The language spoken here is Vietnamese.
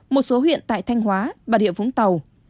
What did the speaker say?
một số huyện tại thanh hóa bà rịa vũng tàu